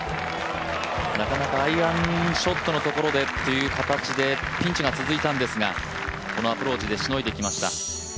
なかなかアイアンショットのところでっていう形でピンチが続いたんですがこのアプローチでしのいできました。